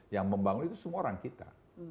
yang membangun itu semua orang kita